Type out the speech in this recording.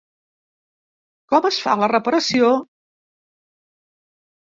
Com es fa la reparació?